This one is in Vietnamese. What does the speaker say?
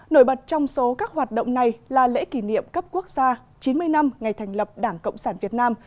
nổi bật trong số các hoạt động này là lễ kỷ niệm cấp quốc gia chín mươi năm ngày thành lập đảng cộng sản việt nam